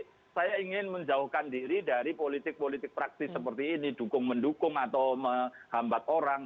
jadi saya ingin menjauhkan diri dari politik politik praktis seperti ini dukung mendukung atau menghambat orang